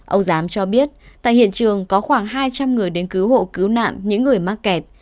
ông giám cho biết tại hiện trường có khoảng hai trăm linh người đến cứu hộ cứu nạn những người mắc kẹt